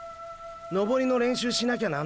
登りの練習しなきゃなんない。